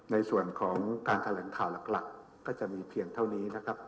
ในส่วนของการแถลงข่าวหลักก็จะมีเพียงเท่านี้นะครับ